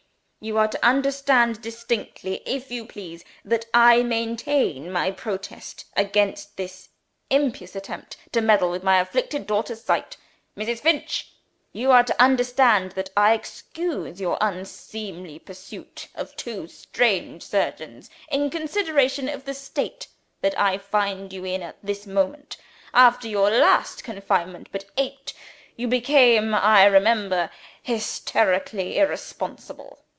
you are to understand distinctly, if you please, that I maintain my protest against this impious attempt to meddle with my afflicted daughter's sight. Mrs. Finch! you are to understand that I excuse your unseemly pursuit of two strange surgeons, in consideration of the state that I find you in at this moment. After your last confinement but eight you became, I remember, hysterically irresponsible.